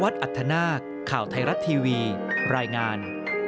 สัมภัยกัน